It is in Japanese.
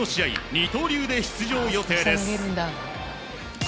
二刀流で出場予定です。